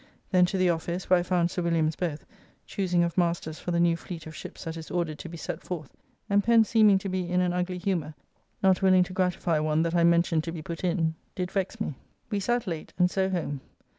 Then to the office, where I found Sir Williams both, choosing of masters for the new fleet of ships that is ordered to be set forth, and Pen seeming to be in an ugly humour, not willing to gratify one that I mentioned to be put in, did vex me. We sat late, and so home.